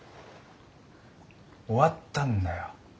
終わったんだよ。